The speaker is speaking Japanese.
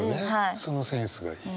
そのセンスがいい。